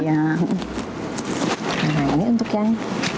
nah ini untuk yang